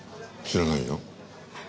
知らないよ。